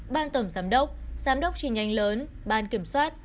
ban tổng giám đốc giám đốc truyền nhanh lớn ban kiểm soát